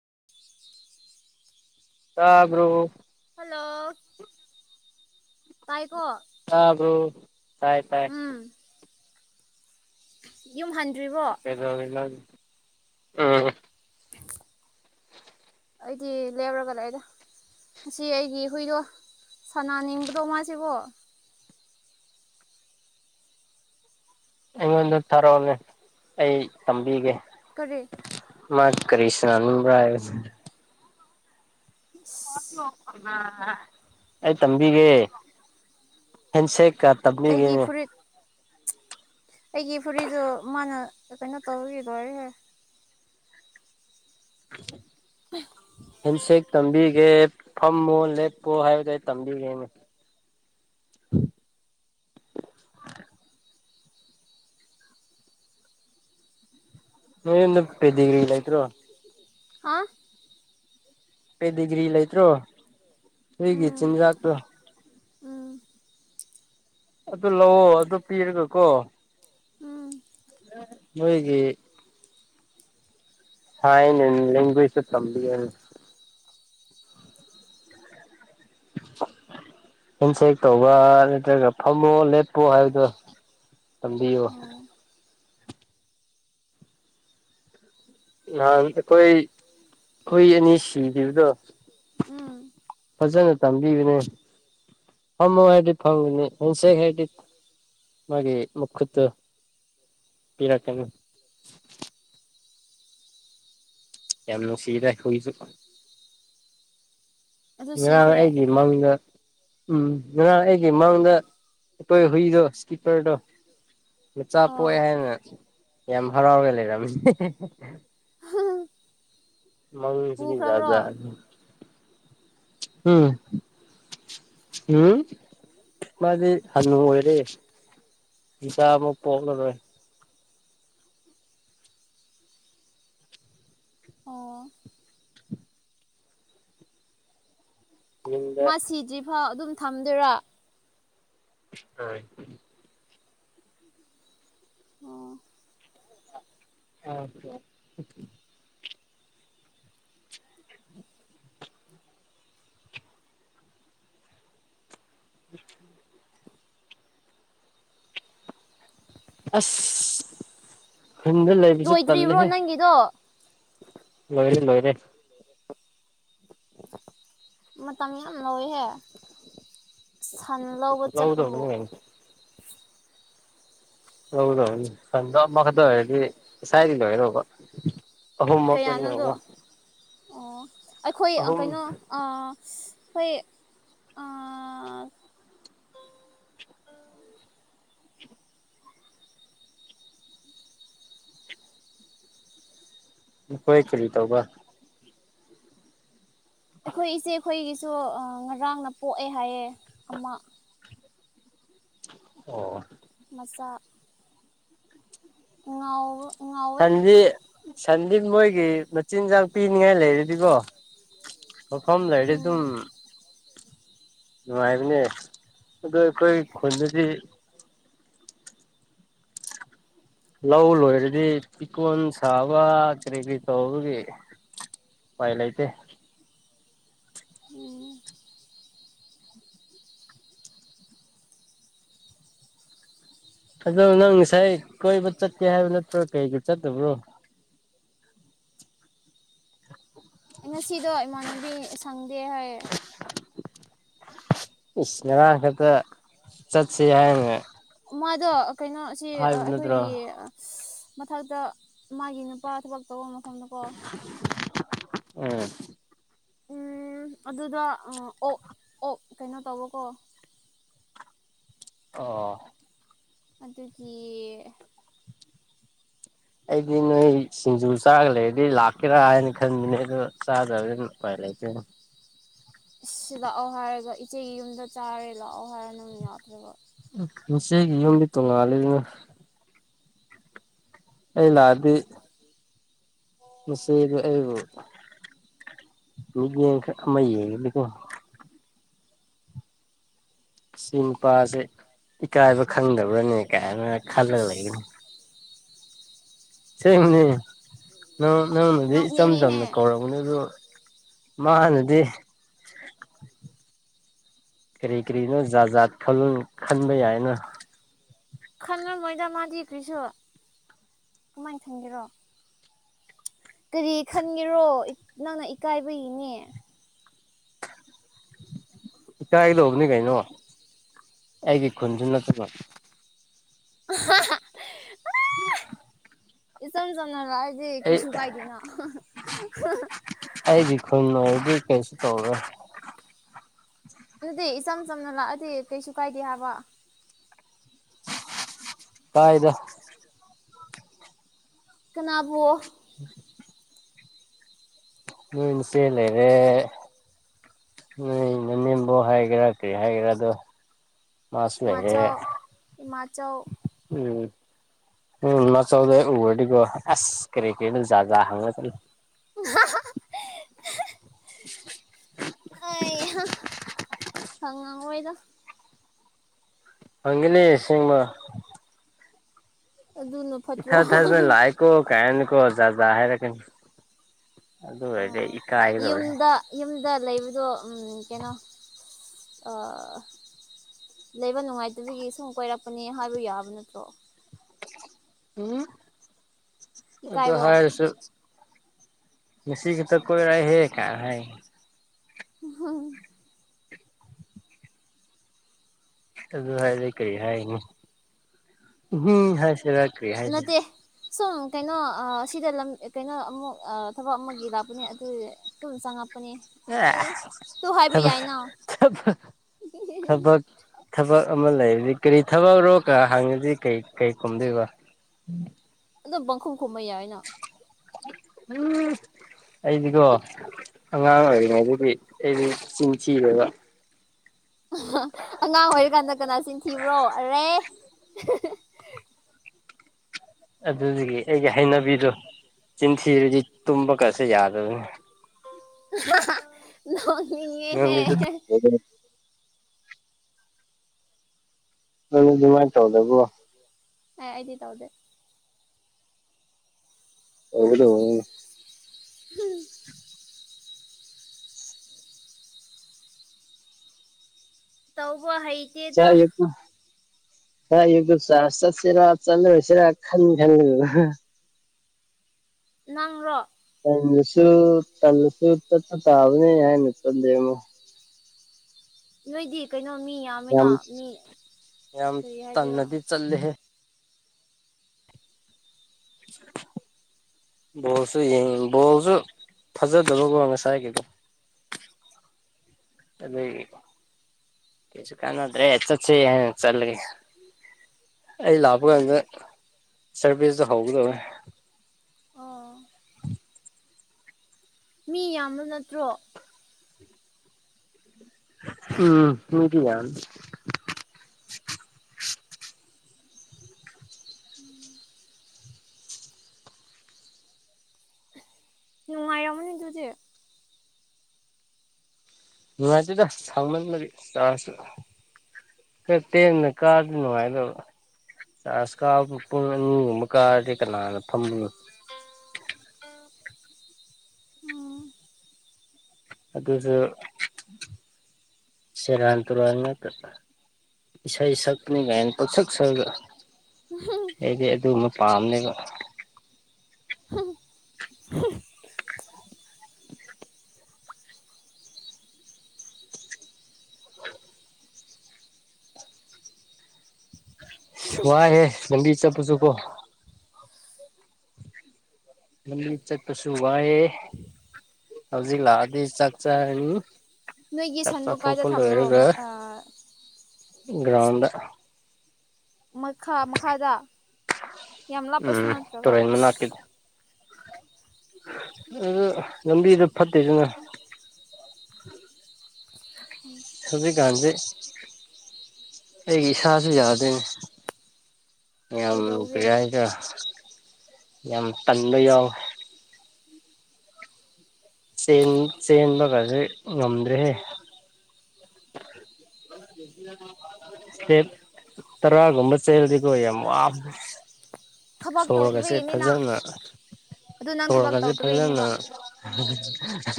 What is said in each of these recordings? [unintelligible] ꯇꯥꯕ꯭ꯔꯣ ꯍꯜꯂꯣ ꯇꯥꯏ ꯀꯣ ꯇꯥꯕꯔꯣ ꯇꯥꯏ ꯇꯥꯏ ꯑ [inaudible] ꯀꯩꯗꯧꯔꯤꯅꯣ [unintelligible] ꯑꯩꯗꯤ ꯂꯦꯄꯔꯒ ꯂꯩꯗ ꯑꯁꯤ ꯑꯩꯒꯤ ꯍꯨꯏꯗꯣ ꯁꯅꯥꯅꯤꯡꯕꯗꯣ ꯃꯥꯁꯤꯕꯣ ꯑꯩꯉꯣꯟꯗ ꯊꯥꯔꯛꯑꯣꯅꯦ ꯑꯩ ꯇꯝꯕꯤꯒꯦ ꯀꯔꯤ ꯃꯥꯁ ꯀꯔꯤꯁꯅ ꯅꯤꯡꯕ꯭ꯔꯥ ꯎ ꯑꯩ ꯇꯝꯕꯤꯒꯦ ꯍꯦꯟꯁꯦꯛ ꯀ ꯇꯝꯅꯤꯒꯦ ꯑꯩꯒꯤ ꯐꯨꯔꯤꯠ ꯑꯩꯒꯤ ꯐꯨꯔꯤꯗꯨꯣ ꯃꯥꯅ ꯀꯩꯅꯣ ꯇꯧꯕꯒꯤ ꯂꯣꯏꯔꯦꯍꯦ [unintelligible] ꯍꯤꯟꯁꯦꯛ ꯇꯝꯕꯤꯒꯦ ꯐꯝꯃꯣ ꯂꯦꯞꯄꯣ ꯍꯥꯏꯕꯗꯣ ꯑꯩ ꯇꯝꯕꯤꯒꯦꯅꯦ [unintelligible] ꯅꯣꯏ ꯌꯨꯝꯗ ꯄꯦꯗꯤꯒ꯭ꯔꯤ ꯂꯏꯇ꯭ꯔꯣ ꯍꯥ ꯄꯦꯗꯤꯒ꯭ꯔꯤ ꯂꯩꯇ꯭ꯔꯣ ꯍꯨꯏꯒꯤ ꯎꯝ ꯆꯤꯟꯖꯥꯛꯇꯣ ꯎꯝ ꯑꯗꯨ ꯂꯧꯑꯣ ꯑꯗꯨ ꯄꯤꯔꯒ ꯀꯣ ꯎꯝ ꯃꯣꯏꯒꯤ ꯁꯥꯏꯟ ꯂꯦꯡꯚ꯭ꯋꯦꯁꯇ ꯇꯝꯕꯤꯌꯣ ꯍꯦꯟꯁꯦꯛ ꯇꯧꯕ ꯅꯠꯇ꯭ꯔꯒ ꯐꯝꯃꯣ ꯂꯦꯞꯄꯣ ꯍꯥꯏꯕꯗꯣ ꯇꯝꯕꯤꯌꯣ ꯑꯣ ꯅꯍꯥꯟ ꯑꯩꯈꯣꯏ ꯍꯨꯏ ꯑꯅꯤ ꯁꯤꯈꯤꯕꯗꯣ ꯎꯝ ꯐꯖꯅ ꯇꯝꯕꯤꯈꯤꯕꯅꯦ ꯐꯃꯣ ꯍꯗꯤ ꯐꯪꯒꯅꯤ ꯍꯟꯁꯦꯒ ꯍꯗꯤ ꯃꯥꯒꯤ ꯃ ꯈꯨꯠꯇ ꯄꯤꯔꯛꯀꯅꯤ ꯌꯥꯝꯅꯨꯡꯁꯤꯗꯥ ꯍꯨꯏꯁꯨ ꯑꯗꯨ ꯉꯔꯥꯡ ꯁꯤꯈ꯭ꯔꯦ ꯑꯩꯒꯤ ꯃꯥꯡꯗ ꯎꯝ ꯉꯔꯥꯡ ꯑꯩꯒꯤ ꯃꯥꯡꯗ ꯑꯩꯈꯣꯏ ꯍꯨꯏꯗꯣ ꯀꯤꯄꯔꯗꯣ ꯃꯆꯥ ꯑꯣ ꯄꯣꯛꯑꯦ ꯍꯥꯏꯅ ꯌꯥꯝ ꯍꯔꯥꯎꯔꯒꯂꯩꯔꯃꯤ ꯃꯉꯁꯤꯁꯨ ꯖꯥꯠ ꯄꯨꯈ꯭ꯔꯕ꯭ꯔꯣ ꯖꯥꯠ ꯎꯝ ꯃꯥꯗꯤ ꯍꯅꯨ ꯑꯣꯏꯔꯦ ꯄꯁꯥ ꯑꯃꯨ ꯄꯣꯂꯔꯦ ꯑꯣ ꯌꯨꯝꯗ ꯃꯥ ꯁꯤꯗ꯭ꯔꯤꯐꯥꯎ ꯑꯗꯨꯝ ꯊꯝꯗꯣꯏꯔꯥ ꯑ ꯑ [inaudible] [inaudible] ꯑꯁ ꯍꯨꯝꯗ ꯂꯩꯕꯁꯨ ꯂꯣꯏꯗ꯭ꯔꯤꯕ꯭ꯔꯣ ꯇꯜꯂꯦꯍꯦ ꯅꯪꯒꯤꯗꯣ ꯂꯣꯏꯔꯦ ꯂꯣꯏꯔꯦ ꯃꯇꯝ ꯌꯥꯝ ꯂꯧꯋꯦꯍꯦ ꯐꯅ ꯂꯧꯕ ꯆꯠꯄꯕꯨ ꯂꯧꯗꯧꯕꯅꯤ ꯀꯩꯅꯣ ꯍꯗ ꯁꯗ ꯃꯒꯗꯣ ꯍꯥꯏꯔꯤ ꯁꯥꯏꯔꯤ ꯂ ꯍꯥꯏꯔꯕ ꯍꯣꯝꯋꯔꯛꯅꯤ ꯀꯌꯥꯅꯣꯗꯣ ꯌꯥ ꯑꯣ ꯑꯩꯈꯣꯏ ꯀꯩꯅꯣ ꯑꯩ ꯑ ꯅꯣꯏ ꯀꯔꯤ ꯇꯧꯕ꯭ꯔ ꯑꯩꯈꯣꯏ ꯏꯆꯦ ꯑꯩꯈꯣꯏꯒꯤꯁꯨ ꯉꯔꯥꯡꯅ ꯄꯣꯛꯑꯦ ꯍꯥꯏꯌꯦꯦ ꯑꯃ ꯑꯣ ꯑꯁ ꯉꯎ ꯆꯟꯖꯤ ꯁꯟꯗꯤ ꯃꯣꯏꯒꯤ ꯃꯆꯤꯟꯖꯥꯛ ꯄꯤꯅꯤꯡꯉꯥꯏ ꯂꯩꯔꯗꯤꯀꯣ ꯃꯐꯝꯗꯥꯏꯗꯤ ꯑꯗꯨꯝ ꯎꯝ ꯅꯨꯡꯉꯥꯏꯕꯅꯦ ꯑꯣ ꯑꯩꯈꯣꯏ ꯈꯨꯟꯗꯗꯤ ꯂꯧ ꯂꯣꯏꯔꯗꯤ ꯐꯤꯀꯣꯟ ꯁꯥꯕ ꯀꯔꯤ ꯀꯔꯤ ꯇꯧꯕꯒꯤ ꯄꯥꯏ ꯂ ꯏꯇꯦ ꯎꯝ ꯑꯗꯣ ꯅꯪ ꯉꯁꯥꯏ ꯀꯣꯏꯕ ꯆꯠꯀꯦ ꯍꯥꯏꯕ ꯅꯠꯇ꯭ꯔꯣ ꯀꯩꯒꯤ ꯆꯠꯇꯕ꯭ꯔꯣ ꯉꯁꯤꯗ ꯏꯃꯥꯟꯅꯕꯤ ꯁꯪꯗꯦ ꯍꯥꯏꯣꯏ ꯏꯅꯦꯉ ꯈꯦꯇ ꯆꯠꯁ ꯍꯥꯌꯦ ꯃꯥꯗꯣ ꯀꯩꯅꯣꯁꯤ ꯅꯠꯇ꯭ꯔꯣ ꯑꯩꯈꯣꯏꯒꯤ ꯃꯊꯛꯇ ꯃꯥꯒꯤ ꯅꯨꯄꯥ ꯊꯕꯛ ꯇꯧꯕ ꯃꯐꯝꯗꯀꯣ ꯑꯥ ꯎ ꯑꯗꯨꯗ ꯑꯣꯛ ꯑꯣꯛ ꯀꯩꯅꯣ ꯇꯧꯕꯀꯣ ꯑꯣ ꯑꯗꯨꯗꯒꯤ ꯑꯩꯗꯤ ꯅꯣꯏ ꯁꯤꯡꯖꯨ ꯆꯥꯒ ꯂꯩꯔꯗꯤ ꯂꯥꯛꯀꯦꯔꯥ ꯍꯥꯏꯅ ꯈꯟꯕꯅꯦ ꯑꯣ ꯆꯥꯗꯕ [unintelligible] ꯑ ꯂꯥꯛꯑꯣ ꯍꯥꯏꯔꯒ ꯏꯆꯦꯒꯤ ꯌꯨꯝꯗ ꯆꯥꯔꯦ ꯂꯥꯛꯑꯣ ꯍꯥꯏꯔꯣ ꯅꯪ ꯌꯥꯎꯗ꯭ꯔꯕ ꯆꯒꯤ ꯌꯨꯝꯕꯤ ꯇꯣꯉꯂꯦ ꯑꯗꯨꯅ ꯑꯩ ꯂꯑꯥꯗꯤ ꯃꯁ ꯑꯕꯨ ꯃꯤ ꯌꯦ ꯃꯩꯌꯦꯀꯏ ꯁꯤ ꯅꯨꯄꯥꯁꯦ ꯏꯀꯥꯏꯕ ꯈꯪꯗꯕ꯭ꯔꯥꯅꯦ ꯀꯥꯏꯅ ꯈꯜꯂꯒ ꯂꯩꯒꯅꯤ ꯏꯁ ꯁꯦꯡꯕꯅꯤ ꯅꯪꯅꯗꯤ ꯏꯆꯝ ꯅꯣꯛꯅꯤꯡꯉꯤꯍꯦ ꯆꯝꯅ ꯀꯧꯔꯛꯔꯕꯅꯦ ꯑꯗꯨ ꯃꯥꯅꯗꯤ ꯀꯔꯤ ꯀꯔꯤꯅꯣ ꯖꯥꯖꯥꯠ ꯊꯧ ꯈꯟꯕ ꯌꯥꯏꯅ ꯈꯜꯂꯝꯝꯃꯣꯏꯗ ꯃꯥꯗꯤ ꯀꯔꯤꯁꯨ ꯀꯃꯥꯏꯅ ꯊꯪꯒꯦꯔꯣ ꯀꯔꯤ ꯈꯟꯒꯦꯔꯣ ꯅꯪꯅ ꯏꯀꯥꯏꯕꯒꯤꯅꯦ ꯏꯀꯥꯏ ꯂꯧꯕꯅꯤ ꯀꯩꯅꯣ ꯑꯩꯒꯤ ꯈꯨꯟꯁꯨ ꯅꯠꯇꯕ ꯑ [unintelligible] ꯎ [inaudible] ꯏꯆꯝ ꯆꯝꯅ ꯂꯁꯦ ꯀꯩꯁꯨ ꯀꯥꯏꯗꯦꯅ ꯗꯤ ꯀꯩꯁꯨ ꯇꯥꯎꯒ ꯑꯗꯨꯗꯤ ꯏꯆꯝ ꯆꯝꯅ ꯂꯥꯛꯑꯗꯤ ꯀꯩꯁꯨ ꯀꯥꯏꯗꯦ ꯍꯥꯏꯕ ꯇꯥꯏꯗ ꯀꯅꯥꯕꯨꯣ ꯎꯝ ꯎꯝꯁꯦ ꯂꯩꯔꯦ ꯅ ꯅꯅꯦꯦꯝꯕꯨ ꯍꯥꯏꯒꯦꯔꯥ ꯀꯔꯤ ꯍꯥꯏꯒꯦꯔꯥꯗꯣ ꯃꯥꯁꯅꯦꯔꯦ ꯃꯥꯆꯧ ꯏꯃꯥꯆꯧ ꯎꯝ ꯎꯝ ꯃꯆꯧꯗ ꯎꯔꯗꯤꯀꯣ ꯑꯁ ꯀ꯭ꯔꯤꯀꯦꯠ ꯖꯥꯖ ꯍꯪꯉ ꯆ ꯑ ꯎ ꯑꯍ ꯍꯪꯉꯣꯏꯗ ꯍꯪꯒꯂꯤ ꯁꯤꯃ ꯑꯗꯨꯅ ꯏ ꯐꯠꯇ꯭ꯔꯣ ꯊ ꯊꯖꯅ ꯂꯥꯏꯀꯣ ꯀꯥꯏꯅ ꯀꯣ ꯌꯥꯖ ꯍꯥꯏꯔ ꯀꯅꯤ ꯑꯣ ꯌꯨꯝꯗ ꯌꯨꯝ ꯑꯗꯨ ꯗ ꯂꯩꯕꯗꯣ ꯀꯩꯅꯣ ꯂꯩꯕ ꯅꯨꯡꯉꯥꯏꯇꯕꯤꯒꯤ ꯁꯨꯝ ꯀꯣꯏꯔꯛꯄꯅꯦ ꯍꯥꯏꯕ ꯌꯥꯕ ꯅꯠꯇ꯭ꯔꯣ ꯎꯝ ꯑꯗꯣ ꯏꯀꯥꯏꯔꯣ ꯍꯥꯏꯁꯨ ꯁꯤꯒꯤꯇ ꯀꯣꯏꯔꯥꯏ ꯍꯦꯛ ꯀ ꯍꯥꯏ ꯍ ꯑꯗꯨ ꯍꯥꯏ ꯂꯩ ꯀꯔꯤ ꯍꯥꯏꯅꯤ ꯎꯝ ꯍꯥꯏꯁꯤꯔ ꯅꯠꯇꯦ ꯁꯣ ꯀꯩꯅꯣ ꯁꯤꯗ ꯂꯝ ꯀꯩꯅꯣ ꯑꯃꯨꯛ ꯊꯕꯛ ꯑꯃꯒꯤ ꯂꯥꯛꯄꯅꯦ ꯑꯗꯨ ꯆꯪꯉꯛ ꯑ ꯊ ꯌꯥꯏꯅ ꯊ ꯊꯕ ꯊꯕꯛ ꯑꯃ ꯂꯩꯔ ꯀꯔꯤ ꯊꯕꯛꯔꯣ ꯀ ꯍꯪꯉꯤꯗꯤ ꯀꯩ ꯀꯩ ꯀꯨꯝꯗꯣꯏꯕ ꯑꯗꯨꯗ ꯈꯨꯝ ꯈꯨꯨꯝꯩꯑ ꯑꯩꯅ ꯎꯝ ꯑꯩꯗꯤꯀꯣ ꯑꯉꯥꯡ ꯑꯣꯏꯔꯤꯉꯩꯗꯨꯗꯤ ꯑꯩꯗꯤ ꯆꯁꯤꯤꯔꯦꯕ ꯑꯉꯥꯡ ꯑꯣꯏꯔꯤꯀꯥꯟꯗ ꯀꯅꯥ ꯆꯤꯟ ꯊꯤꯕ꯭ꯔꯣ ꯑꯔꯦ [unintelligible] ꯑꯗꯨꯒꯤ ꯑꯩꯒꯤ ꯍꯩꯅꯕꯤꯗꯣ ꯆꯤꯟꯁꯤꯔꯗꯤ ꯇꯨꯝꯕ ꯀꯁꯤ ꯌꯥꯗ ꯑꯗꯨ ꯅꯣꯡꯉ ꯅꯪꯗꯤ ꯑꯗꯨ ꯅꯪꯗꯤ ꯑꯗꯨꯃꯥꯏꯅ ꯇꯧꯗꯕ꯭ꯔꯣ ꯑꯦ ꯑꯩꯗꯤ ꯇꯧꯗꯦ ꯇꯧꯒꯗꯧꯕꯅꯦ [inaudible] ꯇꯧꯕ ꯍꯩꯇꯦꯗ ꯍꯣꯏ ꯑꯌꯨꯛꯇ ꯆꯔꯁ ꯆꯠꯁꯤꯔꯥ ꯆꯠꯂꯔꯣꯏꯁꯤꯔꯥ ꯈꯟꯗꯤ ꯈꯟꯕꯅꯦꯕ ꯅꯪꯔꯣ ꯑꯃꯨꯁꯨ ꯇꯜꯂꯁꯨ ꯆꯠꯄ ꯇꯥꯕꯅꯦ ꯍꯥꯏꯅ ꯈꯟꯕꯩ ꯑꯃꯨꯛ ꯅꯣꯏꯗꯤ ꯀꯩꯅꯣ ꯃꯤ ꯌꯥꯝꯃꯤꯅ ꯌꯥꯝ ꯃꯤ ꯌꯥꯝ ꯀꯔꯤ ꯍꯥꯏꯗꯣꯏꯔꯣ ꯇꯟꯅꯗꯤ ꯆꯠꯂꯦꯍꯦ [inaudible] ꯕꯣꯜꯁꯨ ꯌꯦꯡ ꯕꯣꯜꯁꯨ ꯐꯖꯗꯕꯒꯨꯝ ꯉꯁꯥꯏꯒꯤꯗꯣ [inaudible] ꯑꯗꯩꯒꯤ ꯀꯩꯁꯨ ꯀꯥꯅꯗ꯭ꯔꯦ ꯆꯠꯁꯦ ꯍꯥꯏꯅ ꯆꯠꯂꯒꯦ ꯑꯩ ꯂꯥꯛꯄ ꯎꯝ ꯀꯥꯟꯗ ꯁꯔꯚꯤꯁꯇꯣ ꯍꯧꯒꯗꯧꯔꯦ ꯑꯣ ꯃꯤ ꯌꯥꯝꯕ ꯅꯠꯇ꯭ꯔꯣ ꯎꯝ ꯃꯤꯗꯤ ꯌꯥꯝꯃꯦ ꯎꯝ ꯅꯨꯡꯉꯥꯏꯔꯝꯅꯤ ꯗꯨꯗꯤ ꯅꯨꯡꯉꯥꯏꯇꯦꯗ ꯁꯥꯡꯃꯟꯕꯒꯤ ꯆꯔꯁꯁꯨ ꯈꯔ ꯇꯦꯟꯅ ꯀꯥꯔꯗꯤ ꯅꯨꯡꯉꯥꯏꯗꯣꯕ ꯆꯔꯁ ꯀꯥꯕꯨ ꯄꯨꯡ ꯑꯅꯤꯒꯨꯝꯕ ꯀꯥꯔꯗꯤ ꯀꯅꯥꯅ ꯐꯝꯗꯨꯅꯣ ꯎꯝ ꯑꯗꯨꯖꯨ ꯁꯦꯔꯥꯟ ꯇꯨꯔꯥꯟ ꯉꯛꯇ ꯏꯁꯩ ꯁꯛꯄꯅꯤꯒꯥꯏꯅ ꯄꯪꯁꯛ ꯁꯛꯑꯒ ꯑꯩꯗꯤ ꯑꯗꯨꯒꯨꯝꯕ ꯄꯥꯝꯅꯦꯕ [unintelligible] ꯏꯁ ꯋꯥꯏꯍꯦ ꯅꯪꯗꯤ ꯆꯄꯨ ꯆꯠꯄꯣ ꯃꯅꯤꯡ ꯆꯠꯄꯁꯨ ꯋꯥꯏꯌꯦ ꯍꯧꯖꯤꯛ ꯂꯥꯛꯑꯗꯤ ꯆꯥꯛ ꯆꯥꯔꯅꯤ ꯅꯣꯏꯒꯤ ꯆꯥꯛ ꯁꯟꯗꯣ ꯀꯥꯏꯗ ꯆꯥꯊꯣꯛꯄ ꯊꯝꯕ꯭ꯔꯣ ꯂꯣꯏꯔꯒ ꯃꯨꯛ ꯑꯥ ꯒ꯭ꯔꯥꯎꯟꯗ ꯃꯈꯥ ꯃꯈꯥꯗ ꯌꯥꯝ ꯂꯥꯞꯄꯁꯨ ꯎꯝ ꯅꯠꯇ꯭ꯔꯒ ꯇꯨꯔꯦꯟ ꯏꯁ ꯃꯅꯥꯛꯀꯤꯗ ꯑꯗꯣ ꯂꯝꯕꯤꯗꯣ ꯐꯠꯇꯦꯗꯅ ꯍꯨꯖꯤꯛꯀꯥꯟꯗꯤ ꯑꯩꯒꯤ ꯏꯁꯥꯥꯥꯁꯨ ꯌꯥꯗ꯭ꯔꯦꯅꯦ ꯌꯥꯝ ꯀꯩꯗꯧꯒꯦ ꯀꯔꯤ ꯍꯥꯏꯁꯦꯔꯥ ꯌꯥꯝ ꯇꯟꯕ ꯌꯥꯎꯋꯦ ꯆꯦꯟ ꯆꯦꯟꯕꯒꯖꯤ ꯉꯝꯗ꯭ꯔꯦꯍꯦ ꯁ꯭ꯇꯦꯞ ꯇꯔꯥꯒꯨꯕ ꯆꯦꯜꯂꯗꯤꯀꯣ ꯌꯥꯝ ꯋꯥꯕ ꯊꯕꯛ ꯁꯣꯔꯒꯁꯦ ꯇꯧꯗꯕꯒꯤꯅꯤ ꯅꯪ ꯐꯖꯅ ꯑꯗꯨ ꯅꯪ ꯊꯕꯛ ꯁꯣꯔꯒꯁꯦ ꯐꯖꯅ ꯇꯧꯗꯕꯒꯤꯅꯦꯕ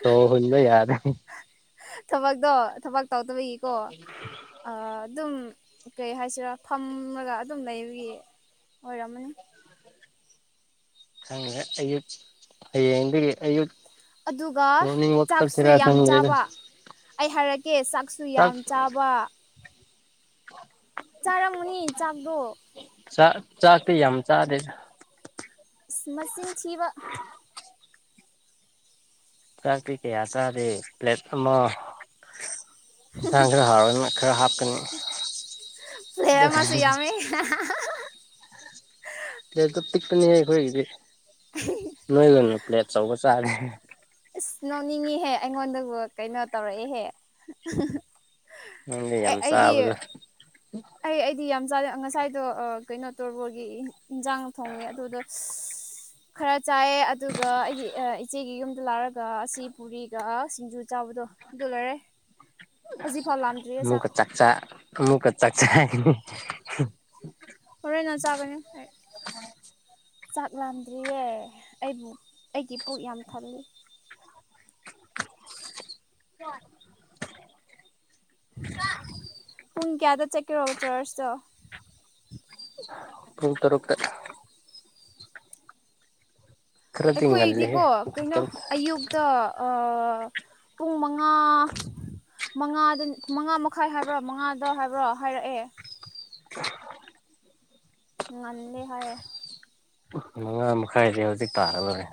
ꯁꯣꯔ ꯍꯣꯟꯕ ꯌꯥꯔꯦ ꯊꯕꯛꯇꯣ ꯊꯕꯛ ꯇꯧꯗꯕꯒꯤꯀꯣ ꯑꯗꯨꯝ ꯀꯩ ꯍꯥꯏꯁꯤꯔꯥ ꯐꯝꯃꯒ ꯑꯗꯨꯝ ꯂꯩꯕꯒꯤ ꯑꯣꯏꯔꯝꯃꯅꯤ ꯈꯪꯉꯦ ꯑꯌꯨꯛ ꯍꯌꯦꯡꯗꯒꯤ ꯑꯌꯨꯛ ꯑꯗꯨꯒ ꯃꯣꯔꯅꯤꯡ ꯋꯥꯛ ꯆꯥꯛꯁꯨ ꯆꯠꯁꯤꯔꯥ ꯌꯥꯝ ꯈꯪꯗ꯭ꯔꯦꯗ ꯆꯥꯕ ꯑꯩ ꯍꯥꯏꯔꯛꯀꯦ ꯆꯥꯛꯁꯨ ꯆꯥꯛ ꯌꯥꯝ ꯆꯥꯕ ꯆꯥꯔꯝꯒꯅꯤ ꯆꯥꯛꯇꯣ ꯆꯥꯛ ꯆꯥꯛꯇꯤ ꯌꯥꯝ ꯆꯥꯗꯦꯗ ꯏꯁ ꯃꯆꯤꯟꯊꯤꯕ ꯆꯥꯛ꯭ꯀꯔꯤ ꯀꯌꯥ ꯆꯥꯗꯦ ꯄ꯭ꯂꯦꯠ ꯑꯃ ꯏꯟꯁꯥꯡ ꯈꯔꯥ ꯍꯥꯎꯔꯒ ꯈꯔ ꯍꯥꯞꯀꯅꯤ ꯄꯂꯦ ꯑꯃꯁꯨ ꯌꯥꯃꯤ ꯄ꯭ꯂꯦꯠꯇꯣ ꯄꯤꯛꯄꯅꯤꯍ ꯈꯣꯏꯒꯤꯗꯤ ꯅꯣꯏꯗꯣꯏꯅ ꯄ꯭ꯂꯦꯠ ꯑꯆꯧꯕ ꯆꯥꯔꯦ ꯑꯁ ꯅꯣꯛꯅꯤꯡꯉꯍꯦ ꯑꯩꯉꯣꯟꯗꯕꯨ ꯀꯩꯅꯣ ꯇꯧꯔꯛꯏꯍꯦ ꯅꯪꯅꯦ ꯌꯥꯝ ꯆꯥꯕꯗꯨ ꯑꯩ ꯑꯩꯗꯤ ꯌꯥꯝ ꯆꯥꯅꯦ ꯉꯁꯥꯏꯗꯣ ꯑ ꯀꯩꯅꯣ ꯇꯣꯔꯕꯣꯒꯤ ꯏ ꯍꯤꯟꯖꯥꯡ ꯊꯣꯡꯉꯦ ꯑꯗꯨꯗ ꯈꯔ ꯆꯥꯏꯑꯦ ꯑꯗꯨꯒ ꯑꯩꯒꯤ ꯑ ꯏꯆꯦꯒꯤ ꯌꯨꯝꯗ ꯂꯥꯛꯔꯒ ꯑꯁꯤ ꯄꯨꯔꯤꯒ ꯁꯤꯡꯖꯨ ꯆꯥꯎꯋ ꯑꯗꯣ ꯑꯗꯨ ꯂꯣꯏꯔꯦ ꯍꯧꯖꯤꯛꯐꯥꯎ ꯂꯥꯝꯗ꯭ꯔꯤꯌꯦ ꯆꯥꯛ ꯃꯨꯛꯀ ꯆꯥꯛꯆꯥ ꯑꯃꯨꯛꯀ ꯆꯥꯛꯆꯥꯌꯦꯅꯦ ꯍꯣꯔꯦꯟꯅ ꯆꯥꯒꯅꯤ ꯑꯩ ꯆꯥꯛ ꯂꯥꯝꯗ꯭ꯔꯤꯌꯦ ꯑꯩꯕꯨ ꯑꯩꯒꯤ ꯄꯨꯛ ꯌꯥꯝ ꯊꯜꯂꯤ ꯍ [unintelligible] ꯄꯨꯡ ꯀꯌꯥꯗ ꯆꯠꯀꯦꯔꯣꯕ ꯆꯥꯔꯆꯇꯣ ꯄꯨꯡ ꯇꯔꯨꯛꯇ ꯈꯔꯗꯤ ꯉꯜꯂꯦꯍꯦ ꯑꯩꯈꯣꯏꯗꯤꯀꯣ ꯄꯨꯡ ꯀꯩꯅꯣ ꯇꯔꯨꯛ ꯑꯌꯨꯛꯇ ꯑ ꯄꯨꯡ ꯃꯉꯥ ꯃꯉꯥꯗ ꯃꯉꯥ ꯃꯈꯥꯏ ꯍꯥꯏꯕꯔ꯭ ꯃꯉꯥꯗ ꯍꯥꯏꯕ꯭ꯔ ꯍꯥꯏꯔꯛꯑꯦ ꯅꯨꯡ ꯉꯥꯟꯂꯦ ꯍꯥꯏꯌꯦ ꯃꯉꯥ ꯃꯈꯥꯏꯗꯤ ꯍꯧꯖꯤꯛ ꯇꯥꯔꯕꯔꯦ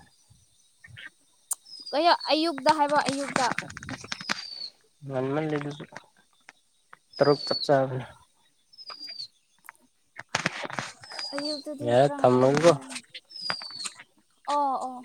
ꯑꯌ ꯑꯌꯨꯛꯇ ꯍꯥꯏꯕ ꯑꯌꯨꯛꯇ ꯃꯟ ꯃꯜ ꯂꯤꯗꯨꯁꯨ ꯇꯔꯨꯛ ꯆꯞ ꯆꯥꯕꯅ ꯑꯌꯨꯛꯇꯨꯗꯤ ꯌꯥꯔꯦ ꯈꯔ꯭ ꯊꯝꯃꯒꯦꯀꯣ ꯉꯥꯟꯃꯜꯂꯤ ꯑꯣ ꯑꯣ